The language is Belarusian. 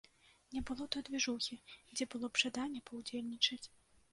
Не было той дзвіжухі, дзе было б жаданне паўдзельнічаць.